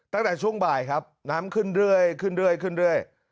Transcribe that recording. ตั้งแต่ช่วงบ่ายครับน้ำขึ้นเรื่อยขึ้นเรื่อยขึ้นเรื่อย